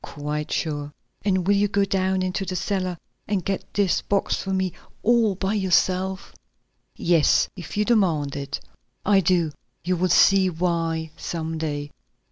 "Quite sure." "And will go down into the cellar and get this box for me, all by yourself?" "Yes, if you demand it." "I do; you will see why some day."